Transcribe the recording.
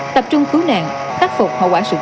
tập trung cứu nạn khắc phục hậu quả sự cố